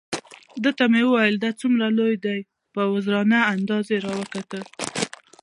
ده ته مې وویل: دا څومره لوی دی؟ په عذرانه انداز یې را وکتل.